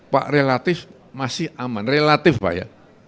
pak relatif masih aman relatif pak ya